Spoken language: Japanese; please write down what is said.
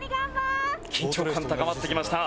緊張感高まってきました。